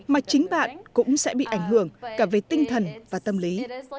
mà chính bạn cũng sẽ bị ảnh hưởng cả về tinh thần và tâm lý